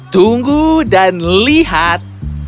tunggu dan lihat